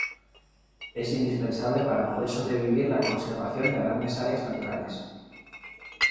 Le es indispensable para poder sobrevivir la conservación de grandes áreas naturales.